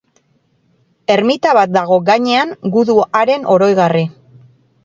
Ermita bat dago gainean gudu haren oroigarri.